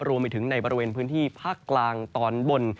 รวมไปถึงในบริเวณพื้นที่ภาคกลางตอนบน